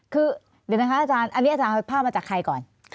คือเดี๋ยวนะคะอาจารย์อันนี้อาจารย์เอาภาพมาจากใครก่อน